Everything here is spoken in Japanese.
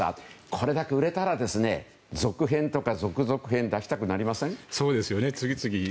これだけ売れたら続編とか続々編を出したくなりません？